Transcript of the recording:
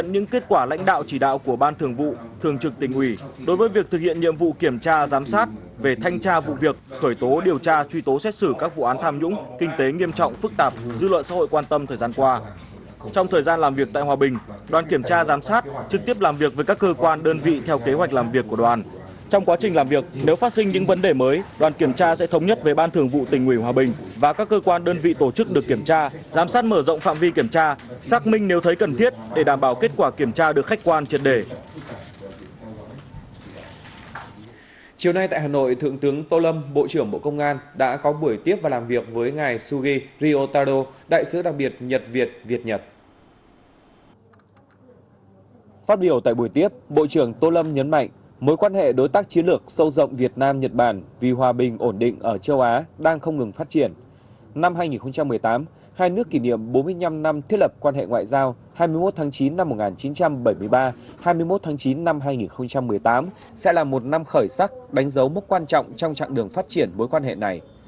năm hai nghìn một mươi tám hai nước kỷ niệm bốn mươi năm năm thiết lập quan hệ ngoại giao hai mươi một tháng chín năm một nghìn chín trăm bảy mươi ba hai mươi một tháng chín năm hai nghìn một mươi tám sẽ là một năm khởi sắc đánh dấu mốc quan trọng trong trạng đường phát triển mối quan hệ này